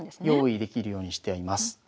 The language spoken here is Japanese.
用意できるようにしています。